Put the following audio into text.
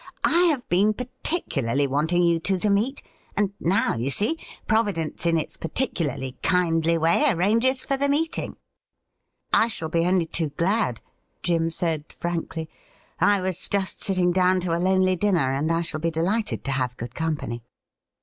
'I have been particularly wanting you two to meet, and now, you see, Providence in its particularly kindly way arranges for the meeting.' 'I shall be only too glad,' Jim said frankly. 'I was just sitting down to a lonely dinner, and I shall be delighted to have good company.'